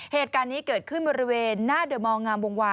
เหตุการณ์นี้เกิดขึ้นบริเวณหน้าเดอร์มอลงามวงวา